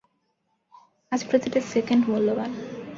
আজ প্রতিটা সেকেন্ড মূল্যবান।